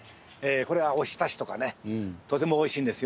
これはおひたしとかねとても美味しいんですよ。